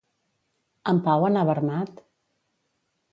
En Pau anava armat?